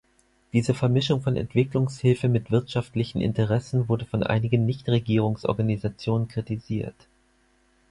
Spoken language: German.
Diese Vermischung von Entwicklungshilfe mit wirtschaftlichen Interessen wurde von einigen Nichtregierungsorganisationen kritisiert.